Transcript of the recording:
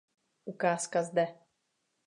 Ukázka zde.